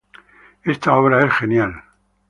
Esta obra es genial.